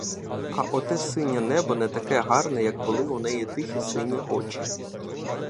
А оте синє небо не таке гарне, як були в неї тихі сині очі.